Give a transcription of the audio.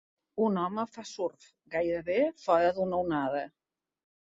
Un home fa surf, gairebé fora d'una onada.